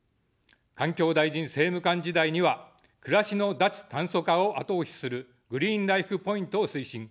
環境大臣政務官時代には、暮らしの脱炭素化を後押しするグリーンライフ・ポイントを推進。